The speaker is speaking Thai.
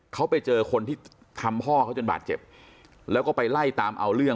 เขาไปเจอคนที่ทำพ่อเขาจนบาดเจ็บแล้วก็ไปไล่ตามเอาเรื่อง